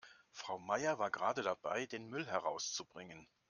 Frau Meier war gerade dabei, den Müll herauszubringen.